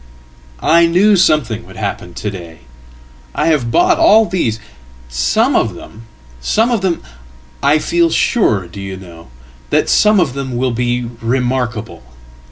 "I knew something would happen to day. And I have bought all these. Someof them some of them I feel sure, do you know, that some of them will beremarkable.